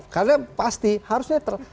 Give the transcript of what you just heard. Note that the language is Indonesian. karena pasti harus netral